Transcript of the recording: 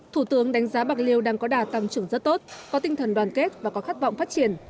thủ tướng đánh giá bạc liêu đang có đà tăng trưởng rất tốt có tinh thần đoàn kết và có khát vọng phát triển